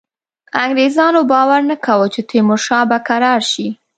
انګرېزانو باور نه کاوه چې تیمورشاه به کرار شي.